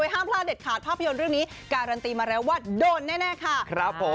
ห้ามพลาดเด็ดขาดภาพยนตร์เรื่องนี้การันตีมาแล้วว่าโดนแน่ค่ะครับผม